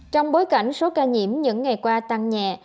trong bối cảnh số ca nhiễm những ngày qua tăng nhẹ